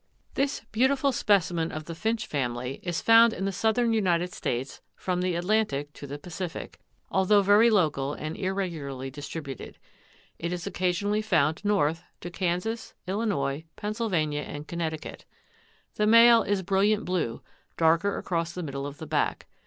(Guiraca cærulea.) This beautiful specimen of the finch family is found in the southern United States from the Atlantic to the Pacific, although very local and irregularly distributed. It is occasionally found north to Kansas, Illinois, Pennsylvania and Connecticut. The male is brilliant blue, darker across the middle of the back.